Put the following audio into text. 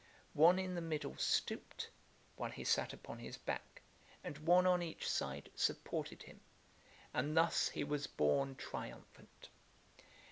One in the middle stooped, while he sat upon his back, and one on each side supported him; and thus he was borne triumphant.